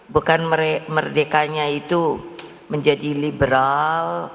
bukan merdekanya itu menjadi liberal